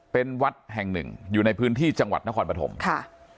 เป็นวัดแห่งหนึ่งอยู่ในพื้นที่จังหวัดนครปฐมค่ะ